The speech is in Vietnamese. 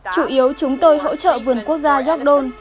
chủ yếu chúng tôi hỗ trợ vườn quốc gia york don